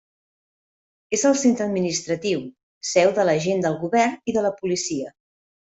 És el centre administratiu, seu de l'agent del govern i de la policia.